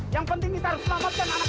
yang penting kita harus selamatkan anak